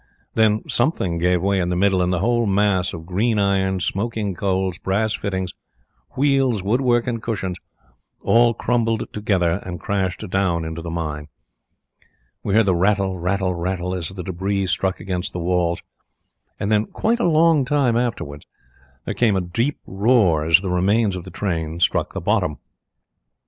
Then something gave way in the middle, and the whole mass of green iron, smoking coals, brass fittings, wheels, wood work, and cushions all crumbled together and crashed down into the mine. We heard the rattle, rattle, rattle, as the debris struck against the walls, and then, quite a long time afterwards, there came a deep roar as the remains of the train struck the bottom.